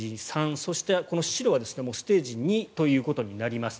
そして、この白はステージ２ということになります。